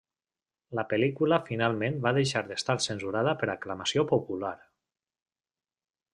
La pel·lícula finalment va deixar d'estar censurada per aclamació popular.